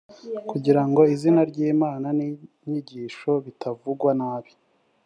kugira ngo izina ry imana n’inyigisho bitavugwa nabii